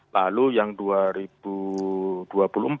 lalu yang dihasilkan adalah sepuluh trendset